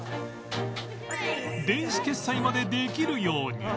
電子決済までできるように